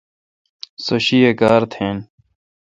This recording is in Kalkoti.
سو شیاے کار تھین۔